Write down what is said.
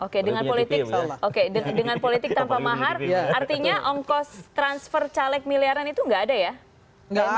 oke dengan politik tanpa mahar artinya ongkos transfer caleg miliaran itu tidak ada ya